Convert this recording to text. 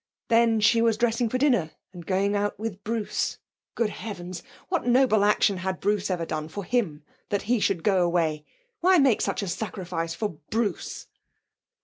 Then she was dressing for dinner and going out with Bruce. Good heavens! what noble action had Bruce ever done for him that he should go away? Why make such a sacrifice for Bruce?